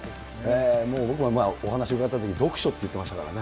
もう僕がお話伺ったときも読書って言ってましたからね。